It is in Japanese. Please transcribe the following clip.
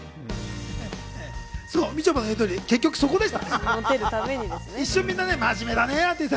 みちょぱが言うように結局そこでした。